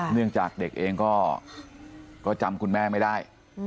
เนื่องจากเด็กเองก็จำคุณแม่ไม่ได้